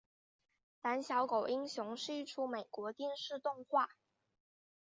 胆小狗英雄是一出美国电视动画。